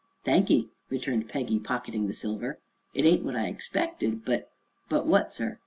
"Thank ye," returned Peggy, pocketing the silver. "It ain't what I expected, but " "But what, sir?"